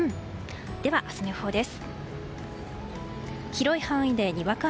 では、明日の予報です。